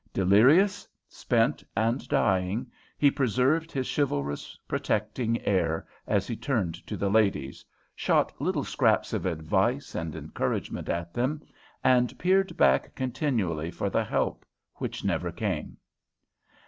Delirious, spent, and dying, he preserved his chivalrous, protecting air as he turned to the ladies, shot little scraps of advice and encouragement at them, and peered back continually for the help which never came.